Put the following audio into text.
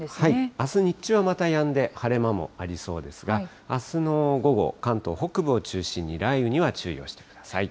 あす日中はまたやんで、晴れ間もありそうですが、あすの午後、関東北部を中心に雷雨には注意をしてください。